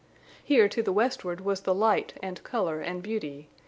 Here to the westward was the light and color and beauty.